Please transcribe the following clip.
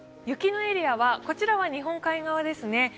雪のエリアは、こちらは日本海側ですね。